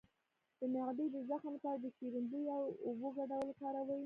د معدې د زخم لپاره د شیرین بویې او اوبو ګډول وکاروئ